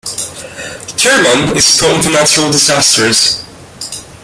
Kerman is prone to natural disasters.